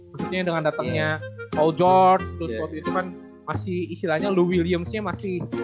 maksudnya dengan datangnya paul george dostkotri itu kan masih istilahnya lou williams nya masih